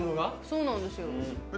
そうなんですよ。